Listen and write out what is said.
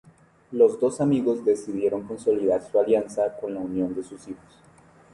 Los dos amigos decidieron consolidar su alianza con la unión de sus hijos.